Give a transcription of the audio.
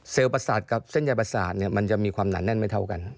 ประสาทกับเส้นยายประสาทมันจะมีความหนาแน่นไม่เท่ากัน